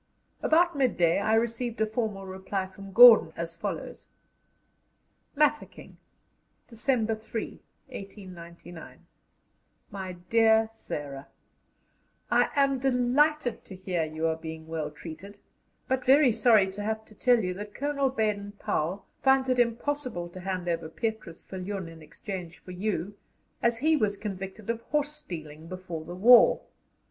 About midday I received a formal reply from Gordon, as follows: "MAFEKING," December 3, 1899. "MY DEAR SARAH, "I am delighted to hear you are being well treated, but very sorry to have to tell you that Colonel Baden Powell finds it impossible to hand over Petrus Viljoen in exchange for you, as he was convicted of horse stealing before the war.